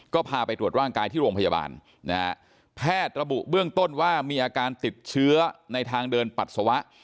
ก็พาไปตรวจร่างกายที่โรงพยาบาลนะฮะแพทย์ระบุเบื้องต้นว่ามีอาการติดเชื้อในทางเดินปัสสาวะ